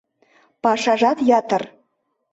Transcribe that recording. Пашажат ятыр.